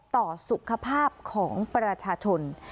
ต่อสุขภาพของประชาชน